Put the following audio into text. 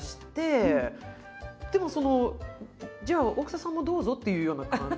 でも「じゃあ大草さんもどうぞ」っていうような感じですか？